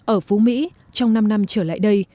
ở phú mỹ trong năm năm trở lại đây